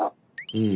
うん。